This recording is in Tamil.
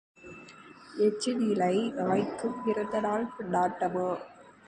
எச்சில் இலை நாய்க்கும் பிறந்த நாள் கொண்டாட்டமா?